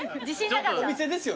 ・お店です。